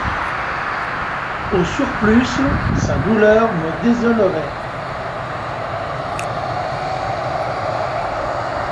Au surplus, sa douleur me désolerait.